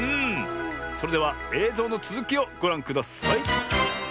それではえいぞうのつづきをごらんください。